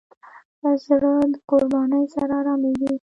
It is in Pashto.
زړه د قربانۍ سره آرامېږي.